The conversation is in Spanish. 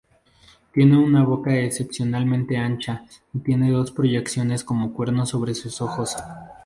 Tiene una boca excepcionalmente ancha, y tiene dos proyecciones como cuernos sobre sus ojos.